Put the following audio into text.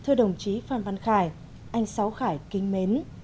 thưa đồng chí pháp văn khải anh sáu khải kinh mến